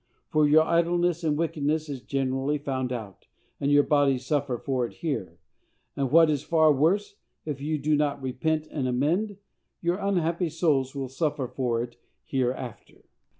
For your idleness and wickedness is generally found out, and your bodies suffer for it here; and, what is far worse, if you do not repent and amend, your unhappy souls will suffer for it hereafter.